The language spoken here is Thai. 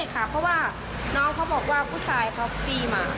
ใช่ค่ะเพราะว่าน้องเขาบอกว่าผู้ชายเขาตี้มา